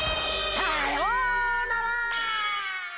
さようなら！